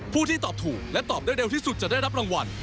ที่ตอบถูกและตอบได้เร็วที่สุดจะได้รับรางวัล